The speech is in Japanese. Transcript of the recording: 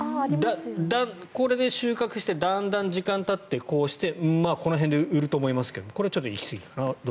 これで収穫してだんだん時間がたってこうして、まあこの辺で売ると思いますがこれ、ちょっと行きすぎかな？